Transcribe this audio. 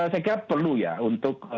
saya kira perlu ya untuk